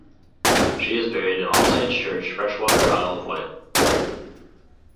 She is buried in All Saints' Church, Freshwater, Isle of Wight.